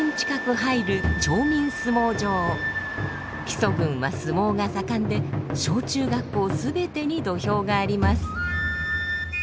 木曽郡は相撲が盛んで小中学校全てに土俵があります。